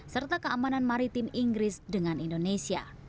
serta keamanan maritim inggris dengan indonesia